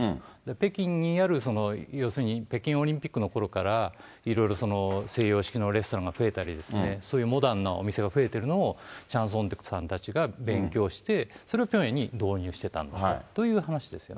北京にある要するに北京オリンピックのころからいろいろ西洋式のレストランが増えたりですね、そういうモダンなお店が増えているのを、チャン・ソンテクさんたちがべんきょうして、それをピョンヤンに導入していたんだという話ですよね。